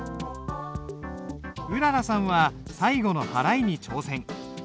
うららさんは最後の払いに挑戦。